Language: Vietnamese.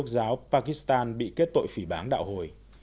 giáo pakistan bị kết tội phỉ bán đạo hồi